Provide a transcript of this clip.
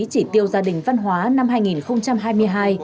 chỉ tiêu gia đình văn hóa năm hai nghìn hai mươi hai